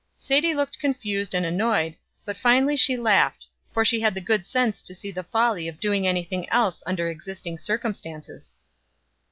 Sadie looked confused and annoyed, but finally she laughed; for she had the good sense to see the folly of doing any thing else under existing circumstances.